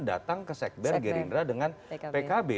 datang ke sekber gerindra dengan pkb